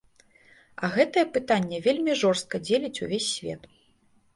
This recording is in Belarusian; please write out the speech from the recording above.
А гэтае пытанне вельмі жорстка дзеліць увесь свет.